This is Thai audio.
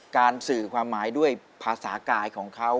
สื่อความหมายด้วยภาษากายของเขา